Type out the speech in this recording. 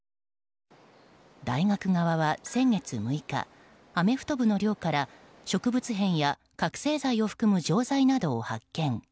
大学側は先月６日アメフト部の寮から植物片や覚醒剤を含む錠剤などを発見。